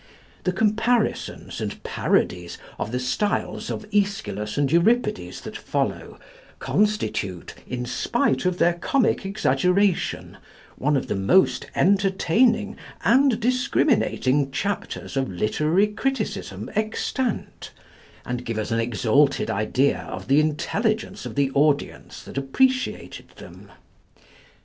The comparisons and parodies of the styles of Aeschylus and Euripides that follow, constitute, in spite of their comic exaggeration, one of the most entertaining and discriminating chapters of literary criticism extant, and give us an exalted idea of the intelligence of the audience that appreciated them.